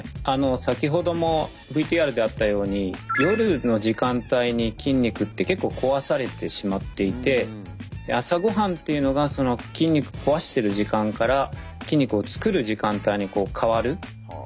先ほどもＶＴＲであったように夜の時間帯に筋肉って結構壊されてしまっていて朝ごはんっていうのが筋肉壊してる時間から筋肉を作る時間帯に変わる大事なごはんなんですね。